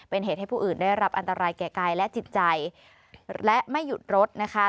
เป็นเหตุให้ผู้อื่นได้รับอันตรายแก่กายและจิตใจและไม่หยุดรถนะคะ